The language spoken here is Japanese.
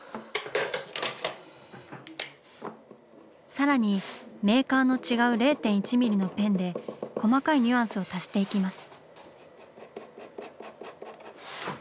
さらにメーカーの違う０．１ミリのペンで細かいニュアンスを足していきます。